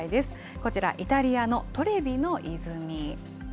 こちらイタリアのトレビの泉。